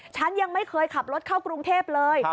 ฉันยังไม่เคยขับรถเข้ากรุงเทพเลย